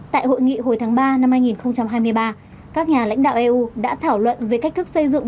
tại hội nghị hồi tháng ba năm hai nghìn hai mươi ba các nhà lãnh đạo eu đã thảo luận về cách thức xây dựng